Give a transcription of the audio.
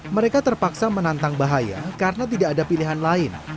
mereka terpaksa menantang bahaya karena tidak ada pilihan lain